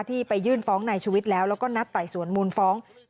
ที่ไปยื่นฟ้องนายชุวิตแล้วแล้วก็นัดไต่สวนมูลฟ้อง